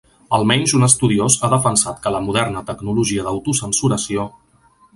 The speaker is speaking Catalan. Almenys un estudiós ha defensat que la moderna tecnologia d'autocensuració ...